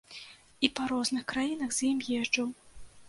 І па розных краінах з ім езджу.